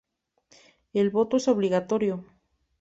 El voto es obligatorio.